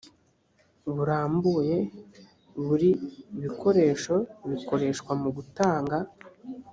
burambuye buri bikoresho bikoreshwa mu gutanga